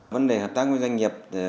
vấn đề hợp tác với doanh nghiệp